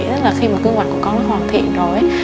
thế là khi mà cơ hoạch của con nó hoàn thiện rồi